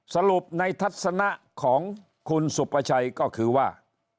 สรุปในทัศนะของคุณสุประชัยก็คือว่า